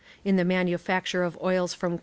In the manufacture of oils from corn.